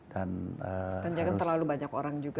dan jangan terlalu banyak orang juga ya